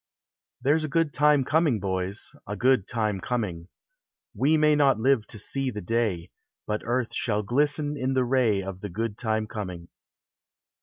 There 's a good time coming, bo; A good time coming : We may not live to see the day, But earth shall glisten in the ray Of the good time coming.